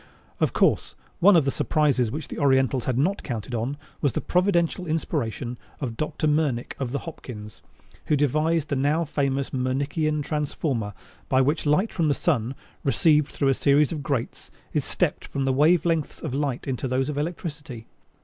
] Of course, one of the surprises which the Orientals had not counted on was the providential inspiration of Dr. Mernick of the Hopkins, who devised the now famous Mernickian transformer by which light from the sun, received through a series of grates, is stepped from the wavelengths of light into those of electricity.